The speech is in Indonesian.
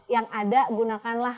yang ada gunakan lah